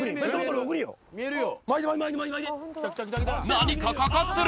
何かかかってる！